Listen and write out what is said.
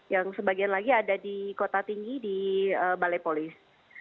yang sebagian lagi ada di kota tinggi di balai polis